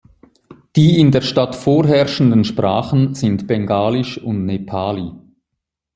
Die in der Stadt vorherrschenden Sprachen sind Bengalisch und Nepali.